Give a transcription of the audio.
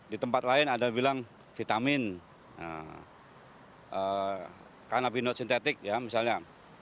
di tempat lain ada bilang vitamin kanabinot sintetik ya misalnya